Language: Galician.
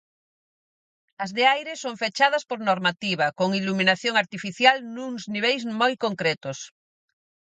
As de aire son fechadas por normativa, con iluminación artificial nuns niveis moi concretos.